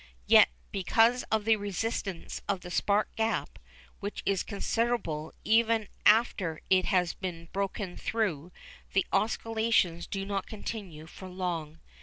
Yet because of the resistance of the spark gap, which is considerable even after it has been broken through, the oscillations do not continue for long.